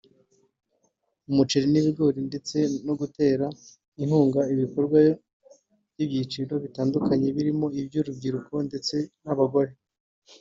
umuceri n’ibigori ndetse no gutera inkunga ibikorwa by’ibyiciro bitandukanye birimo urubyiruko ndetse n’abagore